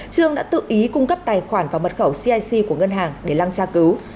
trương đã tự ý cung cấp tài khoản và mật khẩu cic của ngân hàng để lăng tra cứu